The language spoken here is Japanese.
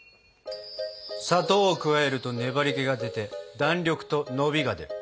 砂糖を加えると粘りけが出て弾力と伸びが出る。